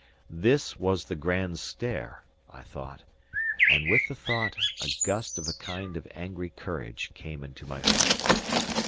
This was the grand stair! I thought; and with the thought, a gust of a kind of angry courage came into my heart.